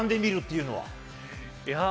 俯瞰で見るっていうのは。